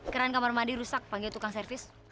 keran kamar mandi rusak panggil tukang servis